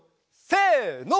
せの。